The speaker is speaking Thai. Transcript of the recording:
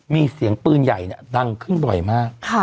มีเสียงปืนใหญ่ดังขึ้นบ่อยมาก